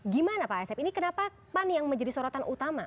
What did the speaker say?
gimana pak asep ini kenapa pan yang menjadi sorotan utama